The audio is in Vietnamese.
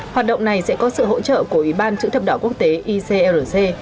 hoạt động này sẽ có sự hỗ trợ của ủy ban chữ thập đỏ quốc tế icrc